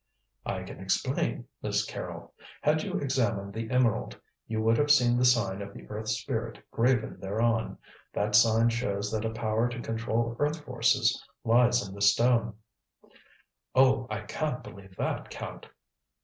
"I can explain, Miss Carrol. Had you examined the emerald you would have seen the sign of the Earth Spirit graven thereon. That sign shows that a power to control earth forces lies in the stone." "Oh, I can't believe that, Count."